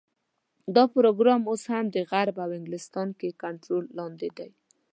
دا پروګرام اوس هم د غرب او انګلستان تر کنټرول لاندې دی.